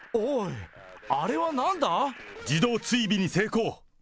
自動追尾に成功。